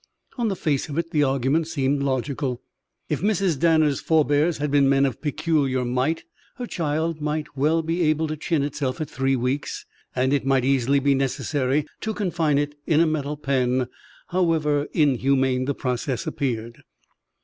On the face of it the argument seemed logical. If Mrs. Danner's forbears had been men of peculiar might, her child might well be able to chin itself at three weeks and it might easily be necessary to confine it in a metal pen, however inhumane the process appeared.